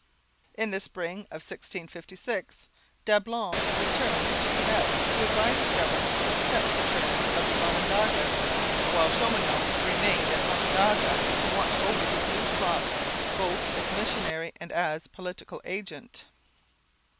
In the spring of 1656 Dablon returned to Quebec to advise the governor to accept the terms of the Onondagas, while Chaumonot remained at Onondaga to watch over his new flock both as missionary and as political agent.